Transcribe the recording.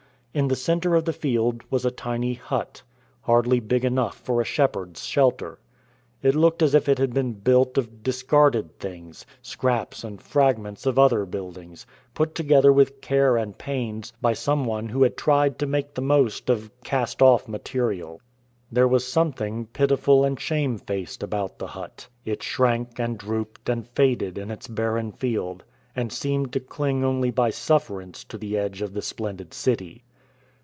In the center of the field was a tiny hut, hardly big enough for a shepherd's shelter. It looked as if it had been built of discarded things, scraps and fragments of other buildings, put together with care and pains, by some one who had tried to make the most of cast off material. There was something pitiful and shamefaced about the hut. It shrank and drooped and faded in its barren field, and seemed to cling only by sufferance to the edge of the splendid city.